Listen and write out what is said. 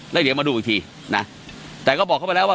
แล้วเดี๋ยวมาดูอีกทีนะแต่ก็บอกเขาไปแล้วว่า